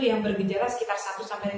tidak jauh berbeda dengan orang orang dewasa